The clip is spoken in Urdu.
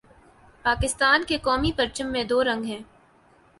پاکستان کے قومی پرچم میں دو رنگ ہیں